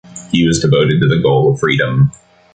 He was devoted to the goal of freedom.